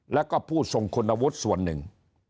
แล้วก็ผู้ทรงคุณวุฒิส่วนหนึ่ง